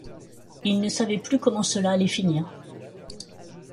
Ils ne savaient plus comment cela allait finir.